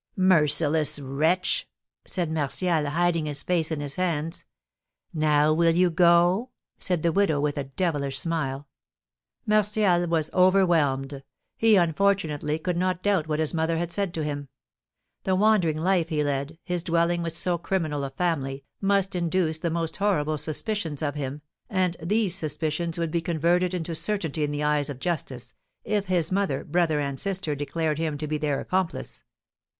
"Merciless wretch!" said Martial, hiding his face in his hands. "Now will you go?" said the widow, with a devilish smile. Martial was overwhelmed. He, unfortunately, could not doubt what his mother had said to him. The wandering life he led, his dwelling with so criminal a family, must induce the most horrible suspicions of him, and these suspicions would be converted into certainty in the eyes of justice, if his mother, brother, and sister declared him to be their accomplice.